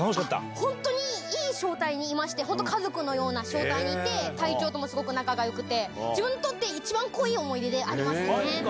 本当にいい小隊にいまして、本当、家族のような小隊にいて、隊長ともすごく仲がよくて、自分にとって一番濃い思い出でありますね。